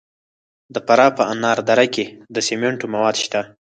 د فراه په انار دره کې د سمنټو مواد شته.